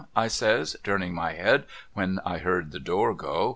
' I says turning; my head when I heard the door go.